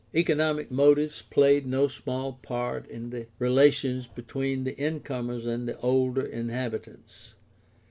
Economic motives played no small part in the relations between the incomers and the older inhabitants.